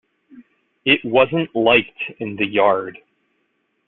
It wasn't liked in the yard.